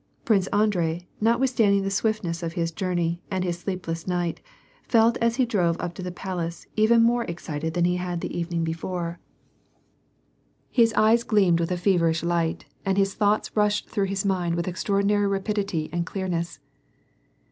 Prince Andrei, notwithstanding the swiftness of his journey and his sleepless night, felt as he drove up to the palace, even more excited than iie had the evening before. His eyes WAR AND PEACE, 179 gleamed with a feverish lights and his thoughts rushed through his mind with extraordinary rapidity and clearness.